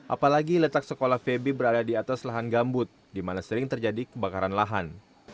apalagi letak sekolah febi berada di atas lahan gambut di mana sering terjadi kebakaran lahan